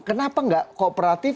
kenapa nggak kooperatif